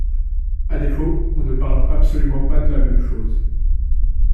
À défaut, on ne parle absolument pas de la même chose.